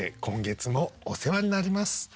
今月もお世話になります。